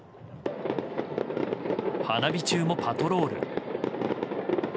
花火中もパトロール。